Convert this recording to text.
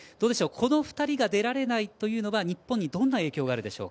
この２人が出られないというのは日本にどんな影響があるでしょう。